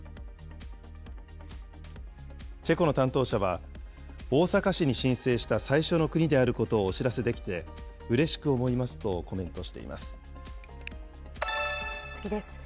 チェコの担当者は、大阪市に申請した最初の国であることをお知らせできてうれしく思次です。